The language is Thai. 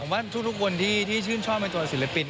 ผมว่าทุกคนที่ชื่นชอบในตัวศิลปิน